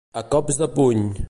A cops de puny.